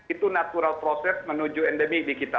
itu natural process menuju endemik di kita